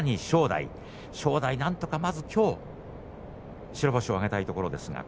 正代、なんとかまずきょう白星を挙げたいところです。